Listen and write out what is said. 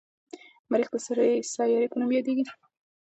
مریخ د سرې سیارې په نوم یادیږي.